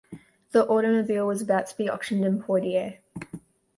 The automobile was about to be auctioned in Poitiers.